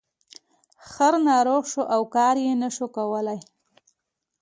خر ناروغ شو او کار یې نشو کولی.